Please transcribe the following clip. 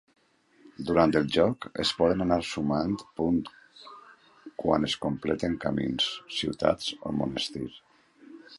Durant el joc es poden anar sumant punt quan es completen camins, ciutats o monestir.